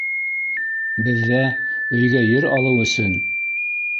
Беҙҙә... өйгә ер алыу өсөн...